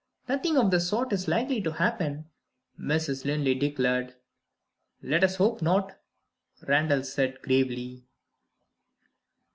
"Nothing of the sort is likely to happen," Mrs. Linley declared. "Let us hope not," Randal said, gravely.